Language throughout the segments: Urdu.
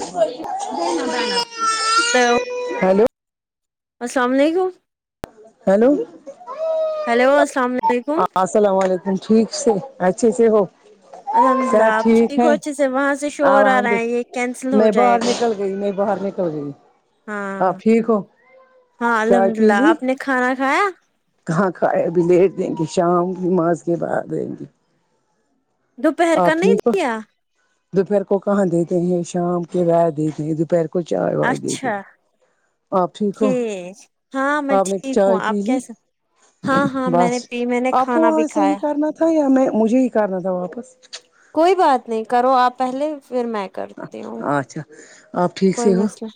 س [unintelligible] ہیلو السلام علیکم ہیلو ہیلو السلام عل السلام علیکم ٹھیک سے اچھے سے ہو الحمد اللہ صحت آپ ٹھیک ہو ہے اچھے سے وہاں سے شور آ رہا ہے یہ کینسل الحمدلہ ہو نہیں باہر جائے گا نکل گئی نہیں باہر نکل ج ہاں آپ ٹھیک ہو ہاں چائے الحمد للہ آپ نے کھانا کھایا ہاں کھائے ابھی لیٹ دیں گے شام نماز کے بعد آئیں گے دوپہر آپ کا نہیں ٹھیک دیا دوپہر کو کہاں دیتے ہیں شام کے ویر دیتے ہیں دوپہر کو کچ چائے وائے دی تھی اچھا آپ ٹھیک ہو ہاں میں آپ نے ٹھیک ہوں چائے پی آپ لی کیسے ہاں ہاں میں بس نے پی میں نے آپ کو کھانا بھی وہاں صہی کھایا کرنا تھا یا مجھے ہی کرنا تھا واپس کوئی بات نہیں کرو آپ پہلے پھر میں کرتی ہوں اچھا آپ ٹھیک کوئی سے ہو مسئلہ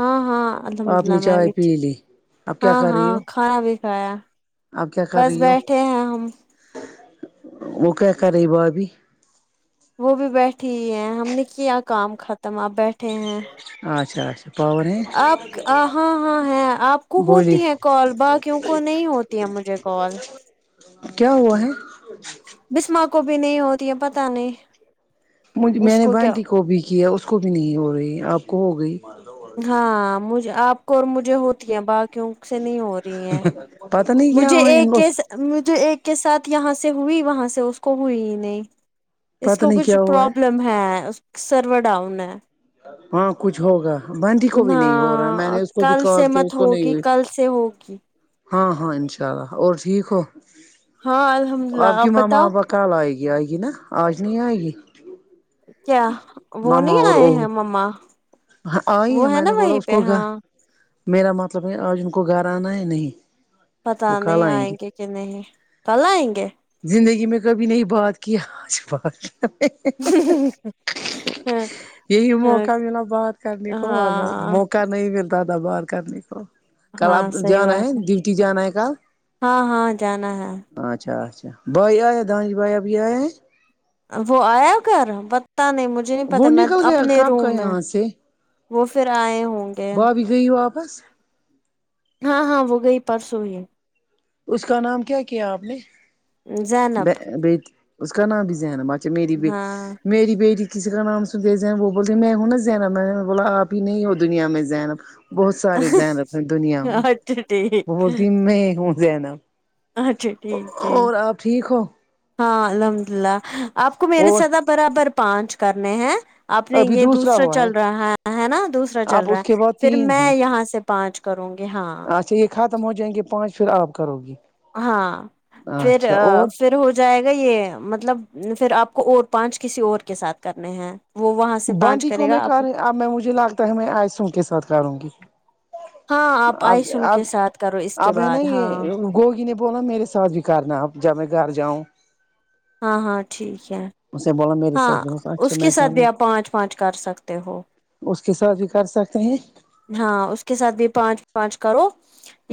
ہاں ہاں الحمد آپ نے اللہ میں چائے بھی ٹھ پی لی اب ہاں ہاں کھانا بھی کھایا اب کیا کر بس رہی ہو بیٹھے ہیں ہم وہ کیا کر رہی با بھی وہ بھی بیٹھی ہے ہم نے کیا کام ختم آپ بیٹھے ہیں اچھا اچھا پاور ہیں آپ ہاں ہاں ہے آپ کو بولیے ہوتی ہے کال باکی کیوںک نہیں ہوتی ہے مجھے کال کیا ہوا ہے بسما کو بھی نہیں ہوتی ہے پتا نہیں مج اس میں نے کیا بانٹی کو بھی کیا اس کو بھی نہیں ہو رہی آپ کو ہو گئی ہاں مج آپ کو اور مجھے ہوتی ہے باقیوں سے نہیں ہو رہی ہیں پتہ نہیں کیا مجھے ہو ان ایک کو مجھے ایک کے ساتھ یہاں سے ہوئی وہاں سے اس کو ہوئی ہی نہیں اس پتہ کو نہیں کچھ کیا ہوا پروابلم ہے سرور ڈاؤن ہے ہاں کچھ ہوگا بنٹی کو بھی نہیں ہو رہا ہے میں نے ہاں اس کو بھی کل کال سے کیا مت اس کو نہیں ہوگی ہوئی کل سے ہوگی ہاں ہاں ان شاء اللہ اور ٹھیک ہو ہاں الحمد للہ آپ کی ماما بتاؤ اپا کل آئے گی آئے گی نا آج نہیں آئے گی کیا وہ نہیں آئے ہیں مما ہاں آئی وہ ہے میں نا نے بولا وہیں اس پہ کو گھر ہاں میرا مطلب ہے آج ان کو گھر آنا ہے نہیں پتا نہیں آئیں گے کہ نہیں کل آئیں گے زندگی میں کبھی نہیں بات کی آج بات یہی موقع ملالا بہت دیکھو اور ہاں موقع نہیں ملتا تھا باہر کرنے کو کل ہاں آب صحیح جانا ہے بات ڈیوٹی جانا ہے ک ہاں ہاں جانا ہے آچھا اچھ بائی آیا دانش بایاب آیا وہ آیا گھر پتتاہ نہیں مجھے نہیں پتا وہ میں نکل گیا اپنے کب کا روم میں یہاں وہ پھر آئے ہوں گے بابی گی واپس ہاں ہاں وہ گئی پرسوںئی ہے اس کا نام کیا کیا آپ نے زینب بی اس کا نام بھی ذہن باقی میری بی ہاں میری بیٹی کسی کا نام سد وہ بولتی میں ہوںا زینا میں بولا آ ہی نہیں ہو دنیا میں زینا بہت سارے زینب ہیں دنیا میں اچھا وہ ٹھیک بولتی میں ہوں زینب اچھا ٹھیک جی اور آپ ٹھیک ہو ہاں الحمد اللہ آپ کو میرے اور ساتھ آپ برابر پانچ کرنے ہیں اپپ نے ابھی یہ دوسرا ہوا ہے چل رہا ہے ہے نا دوسرا چل آپ رہا اس کے ہے بعد پھر تین میں ہیں یہاں سے پانچ کروں گی ہاں اچھا یہ ختم ہو جائیں گے پانچ پھر آپ کرو گی ہاں پھر اچھا اور پھر ہو جائے گا یہ مطلب پھر آپ کو اور پانچ کسی اور کے ساتھ کرنے ہیں وہ وہاں سے بانڈ پانچ کو کرے میں گا آپ کار رہ اب میں مجھے لگتا ہے میں آئسوں کے ساتھ کاروں گی ہاں آپ اب آئیسم اب کے ساتھ کرو اس کے اب ہے نا بعد یہ ہاں گوگ نے وہنا میرے ساتھ بھی کرنا آپ جب میں گھر جاؤں ہاں ہاں ٹھیک ہے اسے بولا میرے ساتھ ہاں جو س اچھا اس کے میں ساتھ کہوں بھی آپ پانچ پانچ کر سکتے ہو اس کے ساتھ بھی کر سکتے ہیں ہاں اس کے ساتھ بھی پانچ پانچ کرو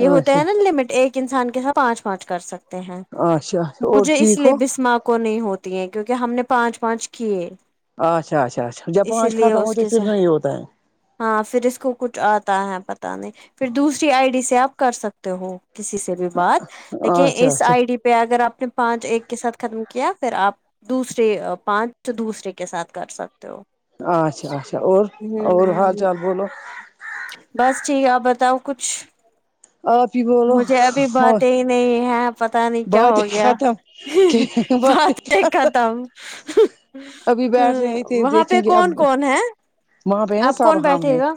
یہ ہوتا اچھا ہے نا لمٹ ایک انسان کے ساتھ پانچ پانچ کر سکتے ہیں اچھا اچھا اور مجھے اس ٹھیک لیے ہو بسم کو کو نہیں ہوتی ہیں کیونکہ ہم نے پانچ پانچ کیے اچا اچا اچھ جا اسی پانچ لیے ختم اس ہوتے تو کے ساتھ پھرمے اوتائیں ہاں پھر اس کو کچھ آتا ہے پت نہیں پھر دوسری آئی ڈی سے آپ کر سکتے ہو کسی سے بھی بات لیکن اچھا اس اچھا آئی ڈی پہ اگر آپ نے پانچ ایک کے ساتھ ختم کیا پھر آپ دوسرے پانچ دوسرے کے ساتھ کر سکتے ہو اچھا اچھا اور اور حال ہوں چال بولو بس ٹھیک ہے آپ بتاؤ کچھ آپ ہی بولو مجھے ابھی اور بات ہے نہیں ہے پتا نہیں کیا باتیں ہو گیا ختم باتیں بات ایک ختم ابھی ہ بیٹھ رہے تھے وہاں دیکھیں پہ گے کون اب کون ہے وہاں پہ ہے نا آپ کون صبحام بیٹھے ہے گا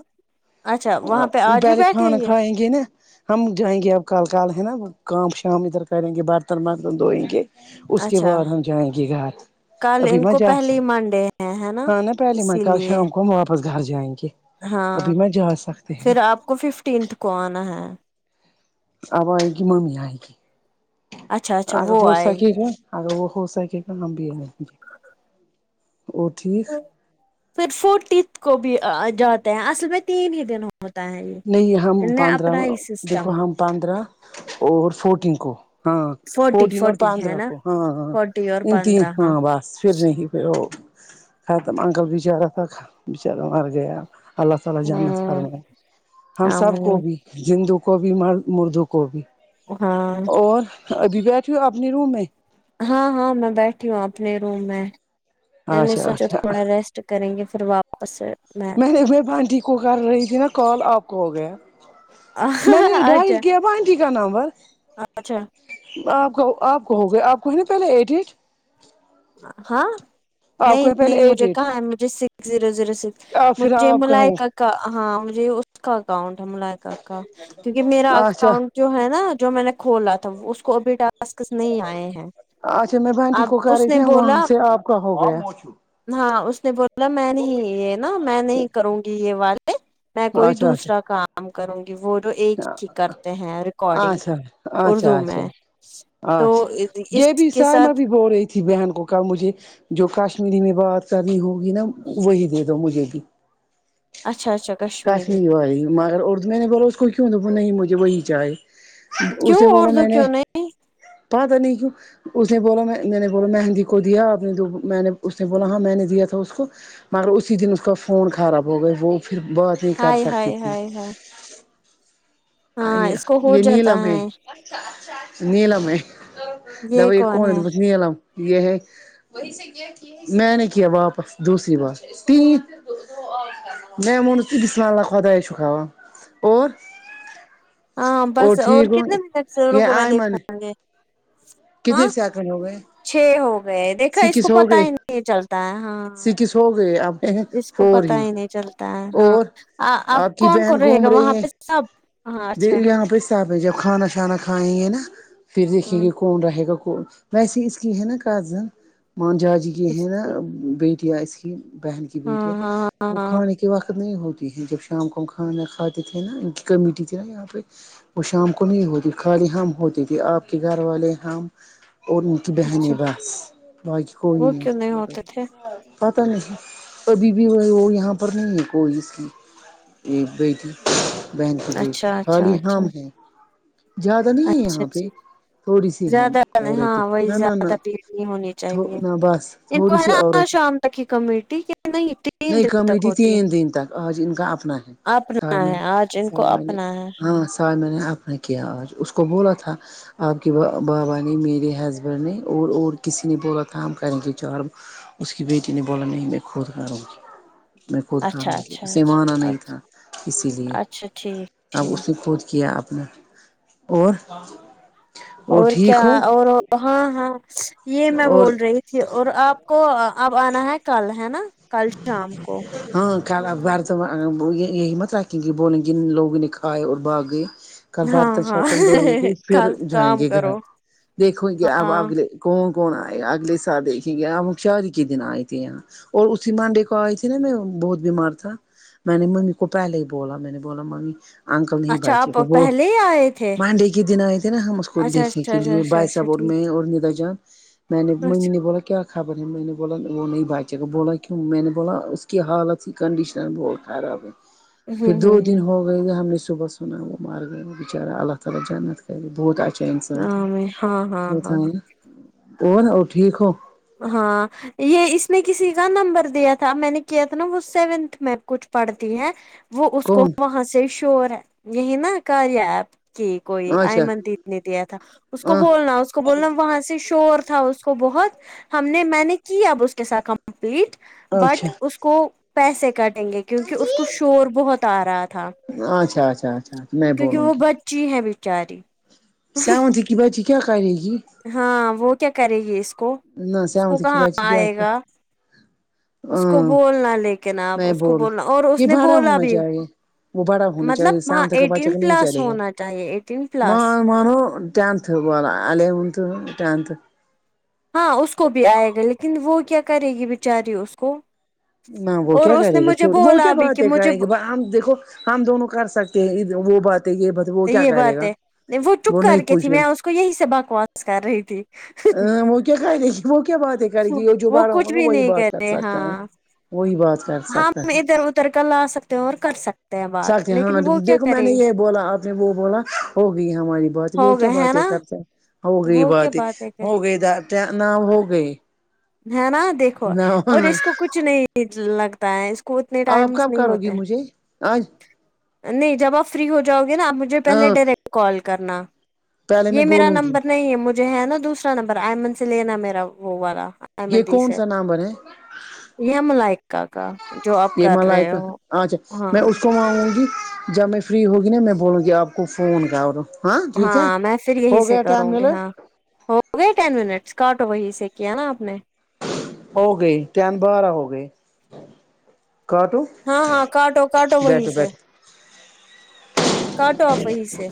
اچھا وہاں پہ آج بھی پہلے بیٹھیں کھانا کھائیں گے نا ہم جائیں گے اب کل کال ہے نا کام شام ادھر کریں گے برتن برتن دھوئیں گے اس کے اچھا بعد ہم جائیں گے گھر کل ابھی ان ما کو جاس پہلی منڈے ہے ہے نا ہ ن پہلی م اسی ک لیے شام کو ہم واپس گھر جائیں گے ہاں ابھی میں جا سکتی ہ پھر آپ کو ففٹینتھ کو آنا ہے اب آئے گی ممی آئے گی اچھا اچھا اگر وہ ہو آئے سکے گی گا اگر وہ ہو سکے کام بھی ہے وہ ٹھیک پھر فورٹیتھ کو بھی جاتے ہیں اصل میں تین ہی دن ہوں ہوتا ہے یہ نہیں ہم پندرہ سسٹم دیکھو ہم پانندرہ اور فورٹین کو ہاں فورٹی فورٹین اور فورٹی ہے پندرہ نا کو ہاں ہاں فورٹی اور ان تین پندرہ ہاں بس پھر نہیں پھر وہ خت اکل بچارہ تھا بیچارا مر گیا اللہ تعالی جنت ہ فرمائیے ہم سب کو آمین بھی جندو کو بھی مردو کو بھی ہاں اور ابھی بیٹھھی ہوں اپنے روم میں ہاں ہاں میں بیٹھی ہوں اپنے روم میں میں نے اچھا سوچا اچھا تھوڑا ریسٹ کریں گے پھر واپس میں میں بانٹی کو کر رہی تھی نا کال آپ کو ہو گیا میں نے اچھا ڈائل کیا بانٹی کا نامبر اچھا آپ کہ آپ کہو گے آپ کہیں نا پہلے ایٹ ایٹ ہاں آپ کو نہیں ہے پہلے نہیں ایٹ مجھے ایٹ کہاں ہے مجھے سکس زیرو زیرو سکس پھر مجھے آپ ملا کا ہو ایک کا ہاں مجھے اس کا اکاؤنٹ ہے ملائک کا کیونکہ میرا اچھا اکاؤنٹ [inaudible] جو ہے نا جو میں نے کھولا تھا اس کو ابھی نہیں آئے ہیں اچھا میں بانٹی اب کو کر اس [inaudible] رہی وہاں سے آپ کا ہو گیا ہاں اس نے ب [inaudible] م میں نہیں یہ نا میں نہیں کروں گی یہ والے میں کوئی اچھا دوسرا اچھا کام کروں گی وہ جو ایک ہی کرتے ہیں ریکارڈنگ اچھا اچھا اردو اچھا میں تو اچھا اس یہ بھی کے سائمہ ساتھ بھی بول رہی بہن کو کہ مجھے جو کاشمیری میں بات کرنی ہوگی نا وہی دے دو مجھے بھی اچھا اچھا کشمیری کاشلی وال رہی مگر اردو میں نہیں بلا اس کو کیوں د نہیں مجھے وہی چاہے کیوں اسے بولا اردو میں نے کیوں نہیں پ تھا نہیں کیوں [inaudible] اس نے بولا میں نے بولا مہندی کو دیا آپ نے میں نے اس نے بولا ہاں میں نے دیا تھا اس کو مگر اسی دن اس کا فون خراب ہو گیا وہ پھر بات ہی کر ہائے سکتی ہائے تھی ہائے ہائے آ ہاں یہ اس کو ہو یہ جاتا نیلملم ہے نیلم ہے [inaudible] د ب یہ کون ہے کونے پچھنی ل یہ یہ [inaudible] میں نے کیا واپس دوسری بار تین میں منف بسمہ اللہ خدائے شکا ہوا اور [inaudible] ہاں بس اور ٹھیک ہو کتنے منٹ سےو کو میں دیکھاؤ گے [inaudible] کدھر ہاں سے کرن ہو گئے [inaudible] چھ ہو گئے دیکھا اس کو پتا ہی نہیں چلتا ہے ہاں س کس ہو گئے اب جس کو پتا ہی نہیں چلتا ہے ہاں آب آپ کی کون بہن کون رہے گا گھوم وہاں رہی پہ سب ہاں اچھا ت پہ جب کھانا شانا کھائیں گے نا پھر دیکھیں ہاں گے [inaudible] کون رہے گا کون ویسے اس کی ہے نا کزن م جاجی کی ہے نا بی [inaudible] بیٹیا اس کی بہن کی ہاں بیٹیاں ہاں ہاں وہ ہاں کھانے کے [inaudible] کہ وقت نہیں ہوتی ہے جب شام کو ہم کھانا کھاتے تھے نا ان کی کمیٹی تھی نا یہاں پہ وہ شام کو نہیں ہوتی خالی ہم ہوتی تھی آپ کے گھر والے ہم اور ان کی اچھا بہنیں بس باقی کوئی وہ نہیں کیوں ہوتے تھے پتا نہیں ابھی بھی وہ یہاں پر نہیں ہے کوئی اس کی ایک بیٹی بہن کی بیٹی اچھا اچھا خالی اچھا حام ہیں [inaudible] زیادہ نہیں ہے اچھا یہاں پہ اچھا تھوڑی سی ہے زیادہ ہاں عورتیں نہ وہی نہ نہ زیادہ بھیڑ نہیں ہونی چاہیے نہ بس ان کو تھوڑی سی ہےیر عورتیں شام [inaudible] کی کمیٹی کہ نہیں تین نہیں دن تک کمیٹی ہوتی تین دن تک آج ان کا اپنا ہے [inaudible] اپنا سائمن ہے آج ان کو سائمن نے اپنا ہے [inaudible] ہاں سر میں نے آپ نے کیا آج اس کو بولا تھا آپ کی وہ بابا نے میرے ہسبینڈ نے اور اور کسی نے با کام کریں گے چار اس کی بیٹی نے بولا نہیں میں خود کروں گی میں خود کھاوں اچھا گی اچھا اسے م آنا اچھا نہیں اچھا تھا اسی لیے اچھا ٹھیک [inaudible] اب ٹھیک اس نے کوود کیا اپنا اور [inaudible] اور کیا ٹھیک ہو اور ہاں ہاں یہ میں اور بول رہی تھی اور آپ [inaudible] کو اب آنا ہے کل ہے نا کل شام کو ہاںرد یہی مت ر کہ کہ بولیں گن لوگوں نے کھائے اور بھاگ گئے [inaudible] کل ہاں برتن ہاں شتن دھوئیں گے پھر کل جائیں کام گے گھر کرو دیکھو گے اب ہاں اگے کون کون آئے اگلے سال دیکھے گیاکاری کے دن آئے تھے یہاں اور اسی مانڈے کو آئی تھی نا میں بہت بیمار تھا میں نے ممی کو پہلے ہی بولا میں نے بولا ممی ا انکل نہیں اچھا بائیچی آپ کو وہ پہلے ہی آئے تھے مانڈے کے دن آئے تھے نا ہم اس کو اچھا دیکھنے اچھا کے اچھا لیے اچھا بھائی اچھا صاحب اور میں ٹھیک اور ندا جان میں نے ممی اچھا نے بولا کیا خبر ہے میں نے بولا وہ نہیں باجی بولا کیوں میں نے بولا اس کی حالت ہی کنڈیشنر بہت خراب ہے پھر ہوں دو ہوں دن ہوں ہو ہم نے صبح سنا وہ مار گیا بچارا اللہ تعالی جنت کری بہت اچھا تھا ہاں میں ہاں ہاں وہ تھا ہاں نا وہ ن وہ ٹھیک ہو ہاں یہ اس میں کسی کا نمبر دیا تھا میں نے کیا تھا نا وہ سیونتھ میں کچھ پڑھتی ہے وہ اس کو کون وہاں سے شور ہے یہی نا کاریا ایپ کہ کوئی آئی اچھا مدت نے دیا تھا اس کو ہاں بولنا اس کو بولنا وہاں سے شور تھا کو بہت ہم نے میں نے کی اب اس کے ساتھ کمپلیٹ بٹ اچھا اس کو پیسے کاٹیں گے کیونکہ اس کو شور بہت آ رہا تھا اچھا اچھاچا کیونکہ وہ بچی ہے بیچاری سام تھی کی بچی کیا کرے گی ہاں وہ کیا کرے گی اس کو نہ اس کو سیونتھ کی کہاں بچی کیا آئے گا اس کو ہاں بولنا لے گا کیا نام آپ میں اس کو بول بولنا اور اس یہ نے بڑا بولا ہونا بھی چاہیے وہ بڑا ہونا چاہیے مطلب ہاں سیونتھ کا ایٹین بچہ نہیں پلس چلے گا ہونا چاہیے ایٹین پلس مان مانو ٹینتھ بول الیونتھ ٹنتھ ہاں اس کو بھی آئے گا لیکن وہ کیا کرے گی بیچاری اس کو نہ وہ اور کیا اس نے کرے گا مجھے چوٹ وہ کیا بولا بھی بات کہ ہے مجھے کرے گی ب ہم دیکھو ہم دونوں کر سکتے ہیں وہ بات ہے یہ ب یہ بات ہے وہ چپ کر کے تھی کچھ میں اس کو یہی سے بکواس کر رہی تھی وہ کیا کر دے گی وہ کیا بات ہے کرے گی وہ جوبارہ کچھ ہوگا بھی وہی نہیں بات کر کرتے ہاں سکتا ہے وہی بات کر سکتا ہے ترکا لا سکتے ہو اور کر سکتے ہیں سکتے بات ہاں لیکن وہ کیا دیکھو میں کرے نے یہ بولا آپ نے وہ بولا ہوگئی ہماری بات وہ ہو کیا گئے بات ہے نا کرتا ہو گئی وہ کیا باتات باتیں کرے ہو گئی د ن ہو گئی ہے نا دیکھو نہ اور اس کو کچھ نہیں لگتا ہے اس کو اتنے آپ ٹائمس کب نہیں کرو گی ہوتے مجھے آج نہیں جب آپ فری ہو جاؤ گے نا آپ مجھے پہلے ہاں ڈائریکٹ کال کرنا پہلے میں یہ میرا بولوں گی نمبر نہیں ہے مجھے ہے نا دوسرا نمبر آئمن سے لینا میرا وہ والا یہ احمدیس کون ہے سا نمبر ہے ملائک کا کا جو آپ یہ م کر رہے لائک ہو اچھا ہاں میں اس کو وہاںؤں گی جب میں فری ہوگی نا میں بولوں گی آپ کو فون کر اوروں ہاں میں پھر یہی سے کروں گی منٹ ہاں ہو گئی ٹین منٹس کاٹو وہی سے کیا نا آپ نے ہو گئی تین بارہ ہو گئے کٹو ہاں ہاں کاٹو کاٹو وہیں سے کاٹو آپ وہیں سے